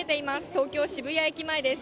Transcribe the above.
東京・渋谷駅前です。